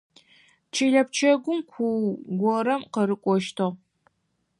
Чылэ пчэгум ку горэ къырыкӏощтыгъ.